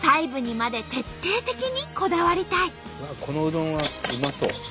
このうどんはうまそう。